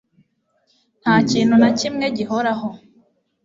nta kintu na kimwe gihoraho